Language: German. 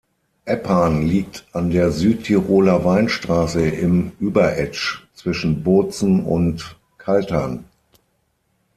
Eppan liegt an der Südtiroler Weinstraße im Überetsch zwischen Bozen und Kaltern.